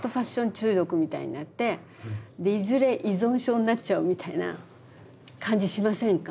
中毒みたいになっていずれ依存症になっちゃうみたいな感じしませんか？